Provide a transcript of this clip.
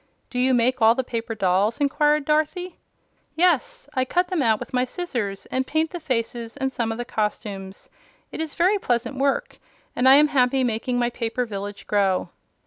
"Do you make all the paper dolls?" inquired Dorothy. "Yes; I cut them out with my scissors, and paint the faces and some of the costumes. It is very pleasant work, and I am happy making my paper village grow."